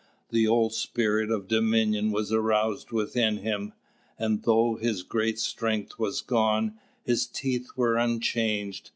The old spirit of dominion was aroused within him, and though his great strength was gone, his teeth were unchanged.